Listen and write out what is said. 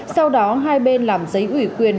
sau đó hai bên làm giấy ủy quyền